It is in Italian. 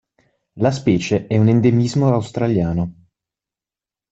La specie è un endemismo australiano.